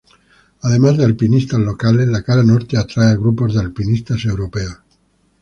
Además de alpinistas locales, la cara norte atrae a grupos de alpinistas europeos.